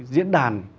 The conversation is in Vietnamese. năm diễn đàn